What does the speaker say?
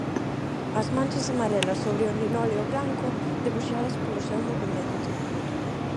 As manchas amarelas sobre o linóleo branco, debuxadas polo seu movemento.